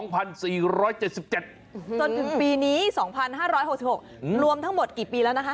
จนถึงปีนี้๒๕๖๖รวมทั้งหมดกี่ปีแล้วนะคะ